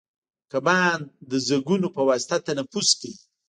کبان د زګونو په واسطه تنفس کوي